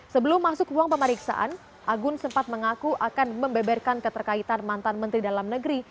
sebelum masuk ruang pemeriksaan agun sempat mengaku akan membeberkan keterkaitan mantan menteri dalam negeri